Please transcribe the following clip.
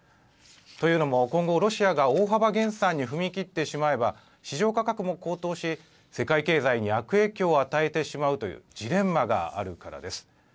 というのも今後ロシアが大幅減産に踏み切ってしまえば市場価格も高騰し世界経済に悪影響を与えてしまうというジレンマがあるからです。